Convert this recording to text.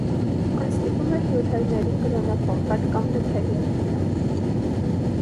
Այն ստիպում էր լյութերներին կրոնափոխվել կամ լքել երկիրը։